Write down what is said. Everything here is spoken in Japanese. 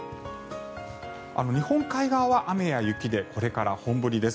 日本海側は雨や雪でこれから本降りです。